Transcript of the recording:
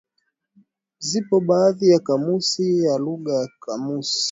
Zipo baadhi ya kamusi ya lugha ya kimasai